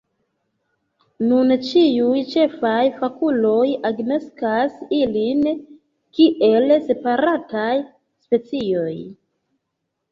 Nune ĉiuj ĉefaj fakuloj agnoskas ilin kiel separataj specioj.